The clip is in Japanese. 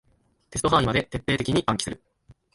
テスト範囲まで徹底的に暗記する